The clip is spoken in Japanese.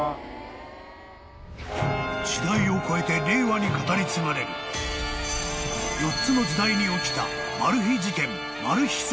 ［時代を超えて令和に語り継がれる４つの時代に起きたマル秘事件マル秘騒動］